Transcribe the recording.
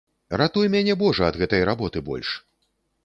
Ратуй мяне божа ад гэтай работы больш.